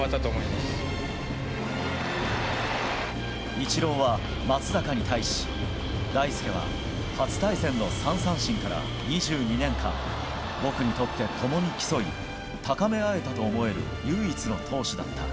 イチローは松坂に対し大輔は初対戦の３三振から２２年間僕にとって共に競い高め合えたと思える唯一の投手だった。